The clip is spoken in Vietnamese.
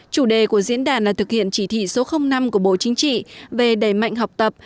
chủ đề của diễn đàn là thực hiện chỉ thị số năm của bộ chính trị về đẩy mạnh học tập